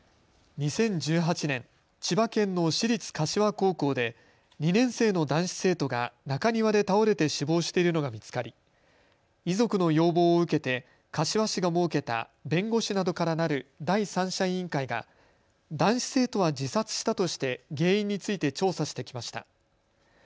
２０１８年千葉県の市立柏高校で２年生の男子生徒が中庭で倒れて死亡しているのが見つかり遺族の要望を受けて柏市が設けた弁護士などからなる第三者委員会が男子生徒は自殺したとして原因について調査してきました。